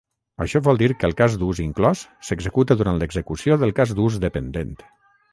Això vol dir que el cas d'ús inclòs s'executa durant l'execució del cas d'ús dependent.